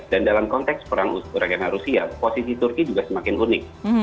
dan dalam konteks perang uragana rusia posisi turkiyaya juga semakin unik